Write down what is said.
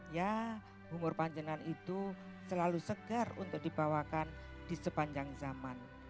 ya umur panjang itu selalu segar untuk dibawakan di sepanjang zaman